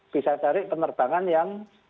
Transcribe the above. bisa tarik penerbangan yang